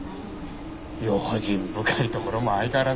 用心深いところも相変わらずだな。